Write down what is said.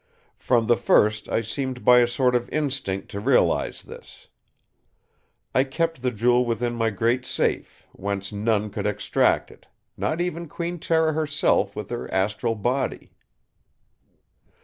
From the first I seemed by a sort of instinct to realise this. I kept the Jewel within my great safe, whence none could extract it; not even Queen Tera herself with her astral body."